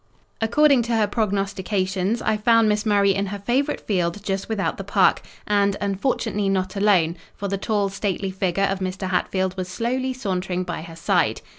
According to her prognostications, I found Miss Murray in her favourite field just without the park; and, unfortunately, not alone; for the tall, stately figure of Mr. Hatfield was slowly sauntering by her side.